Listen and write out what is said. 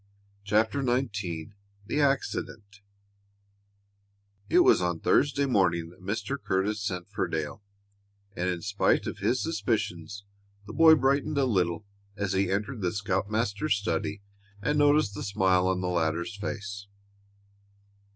CHAPTER XIX THE ACCIDENT It was on Thursday morning that Mr. Curtis sent for Dale, and in spite of his suspicions the boy brightened a little as he entered the scoutmaster's study and noticed the smile on the latter's face.